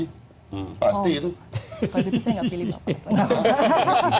oh kalau begitu saya nggak pilih